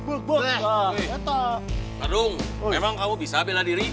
padung emang kamu bisa bela diri